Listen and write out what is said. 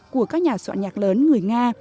của các nhà soạn nhạc lớn người nga